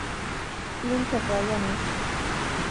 Un cyfle i ennill.